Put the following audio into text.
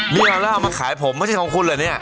นี่เอาแล้วเอามาขายผมไม่ใช่ของคุณเหรอเนี่ย